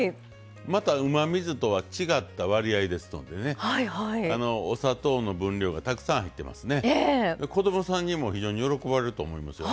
うまみ酢とは違ってお砂糖の分量がたくさん入ってますので子供さんにも非常に喜ばれると思いますよ。